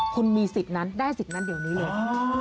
คุณมีสิทธิ์นั้นได้สิทธิ์นั้นเดี๋ยวนี้เลย